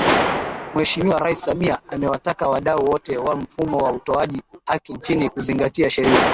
Mheshimiwa Rais Samia amewataka wadau wote wa mfumo wa utoaji haki nchini kuzingatia sheria